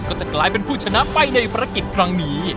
ก็จะกลายเป็นผู้ชนะไปในภารกิจครั้งนี้